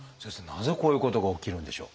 なぜこういうことが起きるんでしょう？